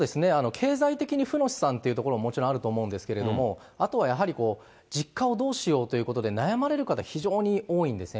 経済的に負の資産というところは、もちろんあると思うんですけれども、あとはやはり、実家をどうしようということで、悩まれる方、非常に多いんですね。